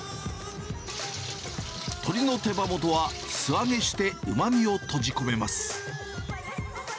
鶏の手羽元は、素揚げして、うまみを閉じ込めます。